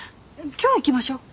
今日行きましょう。